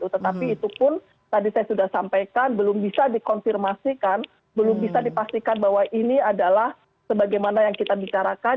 tetapi itu pun tadi saya sudah sampaikan belum bisa dikonfirmasikan belum bisa dipastikan bahwa ini adalah sebagaimana yang kita bicarakan